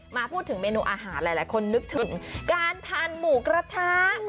มาถึงเมนูอาหารหลายคนนึกถึงการทานหมูกระทะ